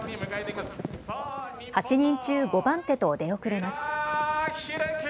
８人中、５番手と出遅れます。